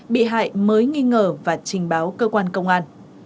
bị hại mới nghi ngờ và trình báo cơ quan công an